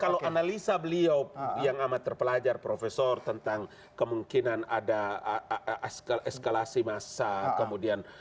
kalau analisa beliau yang amat terpelajar profesor tentang kemungkinan ada eskalasi massa kemudian